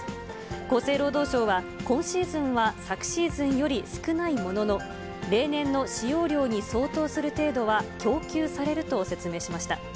厚生労働省は、今シーズンは昨シーズンより少ないものの、例年の使用量に相当する程度は、供給されると説明しました。